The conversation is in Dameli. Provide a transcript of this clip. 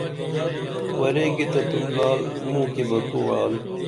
ورے کی تہ تو لعل موں کی بہ تو وعال